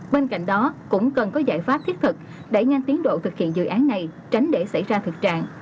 bên cạnh đó cũng cần có giải pháp thiết thực đẩy nhanh tiến độ thực hiện dự án này tránh để xảy ra thực trạng